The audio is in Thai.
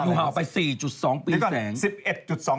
หนูหาวไป๔๒ปีแสง